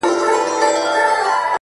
شراب مسجد کي- ميکده کي عبادت کومه-